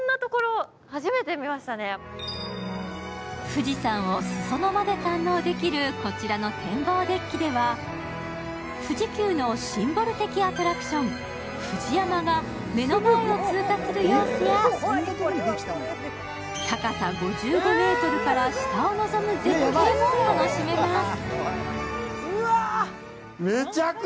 富士山をすそ野まで堪能できるこちらの展望デッキでは、富士急のシンボル的アトラクション、ＦＵＪＩＹＡＭＡが目の前を通過する様子や高さ５５ｍから下を望む絶景も楽しめます。